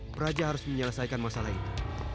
peraja harus menyelesaikan masalah itu